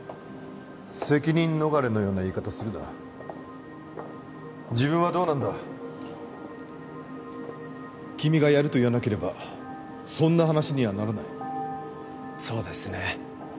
責任逃れのような言い方するな自分はどうなんだ君がやると言わなければそんな話にはならないそうですね